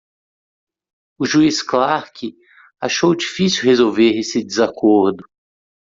O juiz Clark achou difícil resolver esse desacordo.